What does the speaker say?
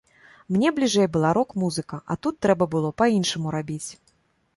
Мне бліжэй была рок-музыка, а тут трэба было па-іншаму рабіць.